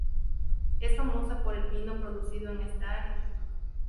Es famosa por el vino producido en esta área.